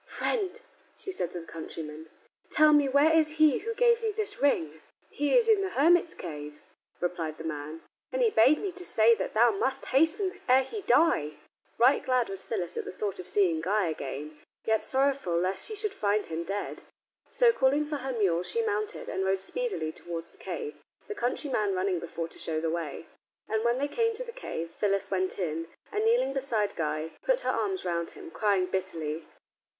"Friend," she said to the countryman, "tell me where is he who gave thee this ring?" "He is in the hermit's cave," replied the man, "and he bade me to say that thou must hasten ere he die." Right glad was Phyllis at the thought of seeing Guy again, yet sorrowful lest she should find him dead. So, calling for her mule, she mounted and rode speedily towards the cave, the countryman running before to show the way. And when they came to the cave Phyllis went in, and kneeling beside Guy, put her arms round him, crying bitterly.